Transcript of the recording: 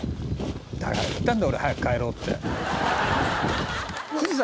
「だから言ったんだ俺早く帰ろうって」